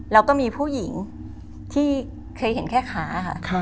แล้วก็มีผู้หญิงที่เคยเห็นแค่ขาค่ะ